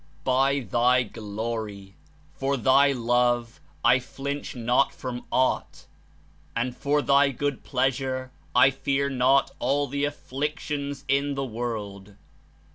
By Thy Glory! for Thy Love I flinch not from aught, and for Thy good pleasure I fear not all the afflictions in the world.